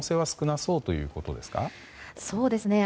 そうですね。